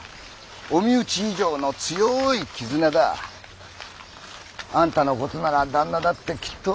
お身内以上の強い絆だ。あんたの事なら旦那だってきっと。